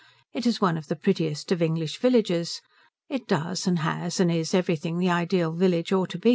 It is one of the prettiest of English villages. It does and has and is everything the ideal village ought to.